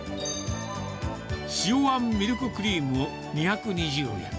塩あんミルククリーム２２０円。